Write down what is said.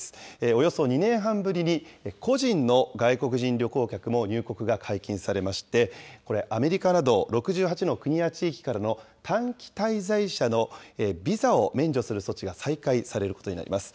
およそ２年半ぶりに個人の外国人旅行客も入国が解禁されまして、アメリカなど６８の国や地域からの短期滞在者のビザを免除する措置が再開されることになります。